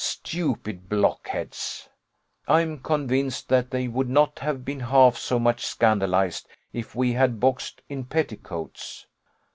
Stupid blockheads! I am convinced that they would not have been half so much scandalized if we had boxed in petticoats.